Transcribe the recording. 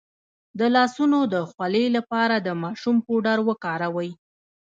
د لاسونو د خولې لپاره د ماشوم پوډر وکاروئ